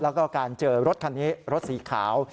แล้วก็การเจอรถคันนี้รถสีขาว